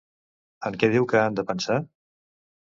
En què diu que han de pensar?